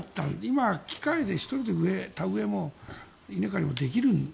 今、機械で１人で田植えも稲刈りもできる。